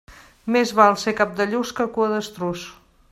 Més val ser cap de lluç que cua d'estruç.